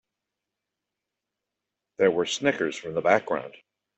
There were snickers from the background.